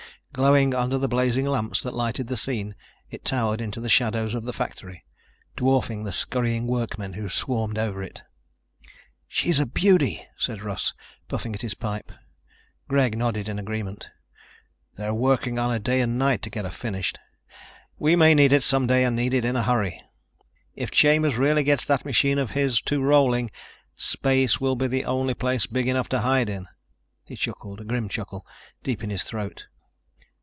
Glowing under the blazing lamps that lighted the scene, it towered into the shadows of the factory, dwarfing the scurrying workmen who swarmed over it. "She's a beauty," said Russ, puffing at his pipe. Greg nodded agreement. "They're working on her day and night to get her finished. We may need it some day and need it in a hurry. If Chambers really gets that machine of his to rolling, space will be the only place big enough to hide in." He chuckled, a grim chuckle, deep in his throat.